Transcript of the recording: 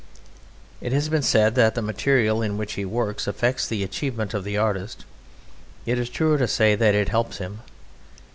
It has been said that the material in which he works affects the achievement of the artist: it is truer to say that it helps him.